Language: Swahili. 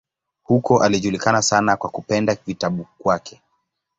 Huko alijulikana sana kwa kupenda vitabu kwake.